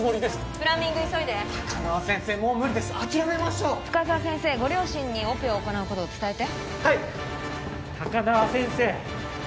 プライミング急いで高輪先生もう無理です諦めましょう深沢先生ご両親にオペを行うことを伝えてはい高輪先生